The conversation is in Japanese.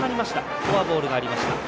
フォアボールがありました。